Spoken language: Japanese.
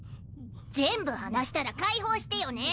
全部話したら解放してよね。